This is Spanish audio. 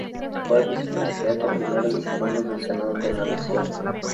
Fue Vicepresidente Primero y Segundo del Senado de la Nación.